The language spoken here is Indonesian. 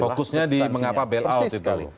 fokusnya di mengapa bail out itu